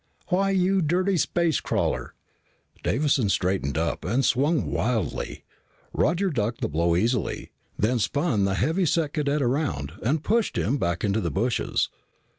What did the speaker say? "Why, you dirty space crawler " Davison straightened up and swung wildly. Roger ducked the blow easily, then spun the heavy set cadet around and pushed him back into the bushes.